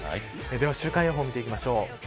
では週間予報見ていきましょう。